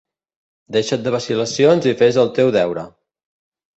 Deixa't de vacil·lacions i fes el teu deure!